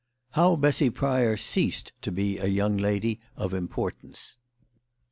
HOW BESSY PRYOR CEASED TO BE A YOUNG LADY OF IMPORTANCE.